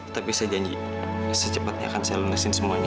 tapi saya janji secepatnya akan saya lunasin semuanya